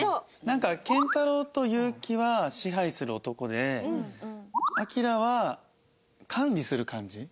なんか健太郎と祐希は支配する男で晃は管理する感じ。